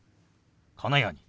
このように。